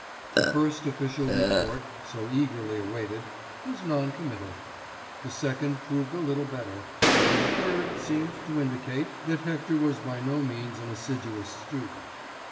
The first official report, so eagerly awaited, was noncommittal; the second proved little better, and the third seemed to indicate that Hector was by no means an assiduous student.